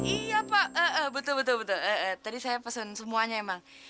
iya pak betul betul tadi saya pesen semuanya emang